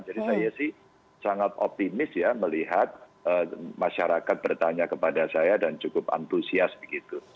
jadi saya sih sangat optimis ya melihat masyarakat bertanya kepada saya dan cukup antusias begitu